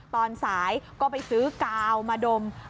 ตอนสายก็ไปซื้อกาวมาดม